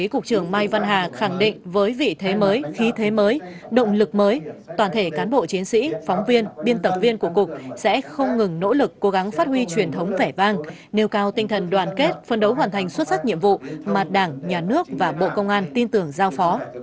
cục truyền thông công an nhân dân cố gắng phát huy truyền thống vẻ vang nêu cao tinh thần đoàn kết phân đấu hoàn thành xuất sắc nhiệm vụ mà đảng nhà nước và bộ công an tin tưởng giao phó